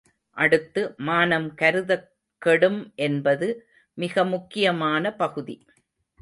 அடுத்து மானம் கருதக் கெடும் என்பது மிக முக்கியமான பகுதி.